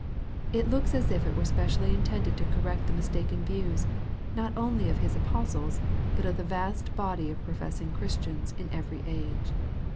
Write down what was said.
It looks as if it were specially intended to correct the mistaken views, not only of His apostles, but of the vast body of professing Christians in every age.